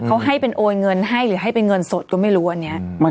เขาให้เป็นโอนเงินให้หรือให้เป็นเงินสดก็ไม่รู้อันนี้